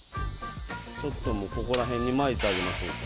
ちょっともうここら辺にまいてあげましょうか。